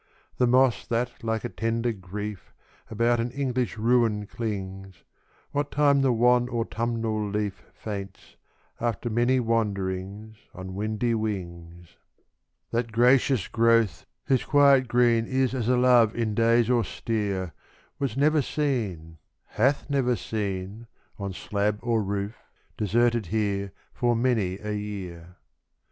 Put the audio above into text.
The moss that, like a tender grief, About an English ruin clings What time the wan autumnal leaf Faints, after many wanderings On windy wings That gracious growth, whose quiet green Is as a love in days austere, Was never seen hath never been On slab or roof, deserted here For many a year.